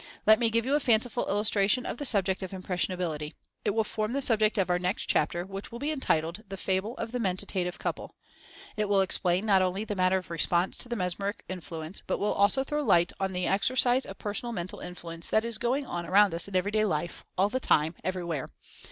Let me give you a fanciful illustration of the sub ject of impressionability. It will form the subject of our next chapter, which will be entitled "The Fable of the Mentative Couple." It will explain not only the matter of response to mesmeric influence, but will also throw light on the exercise of Personal Mental Influence that is going on around us in everyday life, all the time, everywhere.